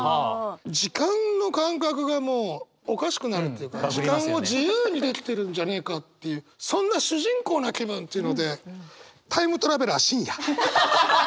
時間の感覚がもうおかしくなるというか時間を自由にできてるんじゃねえかっていうそんな主人公な気分っていうので。